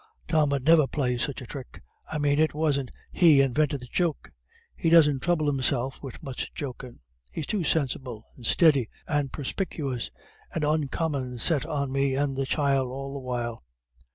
"Tom 'ud never play such a thrick I mane it wasn't he invinted the joke; he doesn't throuble himself wid much jokin'; he's too sinsible, and steady, and perspicuous, and oncommon set on me and the child, all the while.